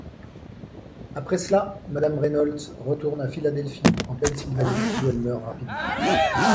Après cela, Mme Reynolds retourne à Philadelphie, en Pennsylvanie, où elle meurt rapidement.